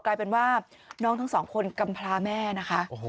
กลายเป็นว่าน้องทั้งสองคนกำพลาแม่นะคะ